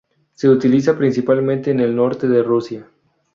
Se utiliza principalmente en el norte de Rusia.